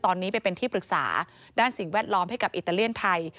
ตอนนี้ไปเป็นที่ปรึกษาด้านสิ่งแวดล้อมให้กับอิตาเลียนไทย